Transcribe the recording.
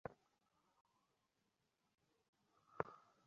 সোমবার রাত সাড়ে আটটার দিকে নিজ গ্রাম থেকে তাঁদের গ্রেপ্তার করা হয়।